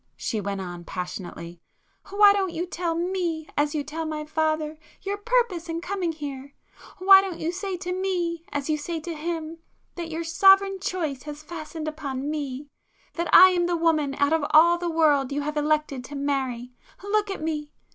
she went on passionately—"Why don't you tell me, as you tell my father, your purpose in coming here?—why don't you say to me, as you say to him, that your sovereign choice has fastened upon me,—that I am the woman out of all the world you have elected to marry! Look at me!"